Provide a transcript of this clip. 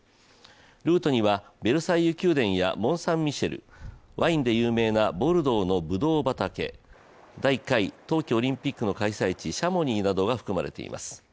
ルートには、ベルサイユ宮殿やモンサンミシェル、ワインで有名なボルドのぶどう畑、第１回冬季オリンピックの開催地シャモニーなどが含まれています。